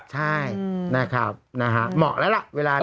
ใช่หน่ะครับนะฮะเหมาะแล้วล่ะเวลามี